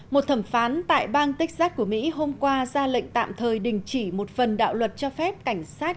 một thẩm phán tại bang texas của mỹ hôm qua ra lệnh tạm thời đình chỉ